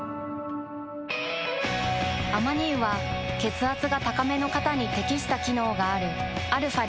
アマニ油は血圧が高めの方に適した機能があるαー